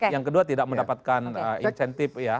yang kedua tidak mendapatkan insentif ya